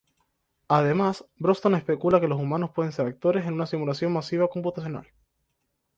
Además, Bostrom especula que los humanos pueden ser actores en una simulación masiva computacional.